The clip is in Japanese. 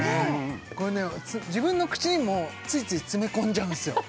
これね自分の口にもついつい詰め込んじゃうんすよ